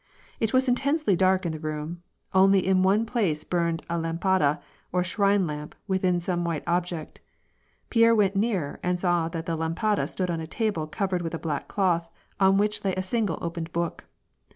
It was intensely dark in the room, only in one place burned a lampada, or shrine lamp, within some white object. Pierre went nearer, and saw that the lampada stood on a table covered with a black cloth, on which lay a single opened book.